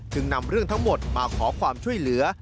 นำเรื่องทั้งหมดมาขอความช่วยเหลือ